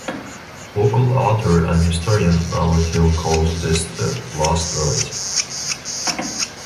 Local author and historian Robert Hill calls this the "Lost Village".